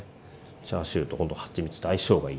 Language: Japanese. チャーシューとほんとはちみつと相性がいいんでね。